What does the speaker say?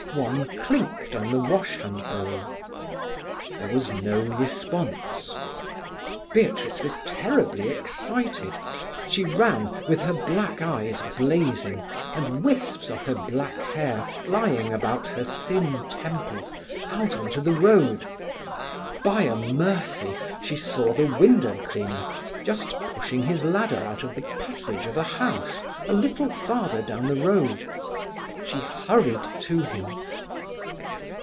One clinked on the wash hand bowl. There was no response. Beatrice was terribly excited. She ran, with her black eyes blazing, and wisps of her black hair flying about her thin temples, out on to the road. By a mercy she saw the window cleaner just pushing his ladder out of the passage of a house a little farther down the road. She hurried to him.